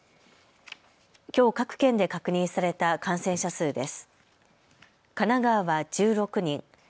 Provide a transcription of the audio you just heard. きょう各県で確認された感染者数です。